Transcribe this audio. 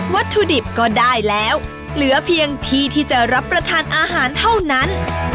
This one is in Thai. วัตถุดิบก็ได้แล้วเหลือเพียงที่ที่จะรับประทานอาหารเท่านั้น